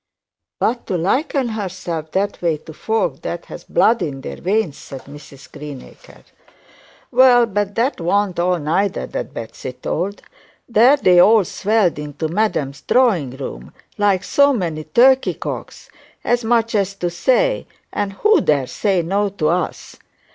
'But to liken herself that way to folk that ha' blood in their veins,' said Mrs Greenacre. 'Well, but that warn't all neither that Betsey told. There they all swelled into madam's drawing room, like so many turkey cocks, as much to say, "and who dare say no to us?"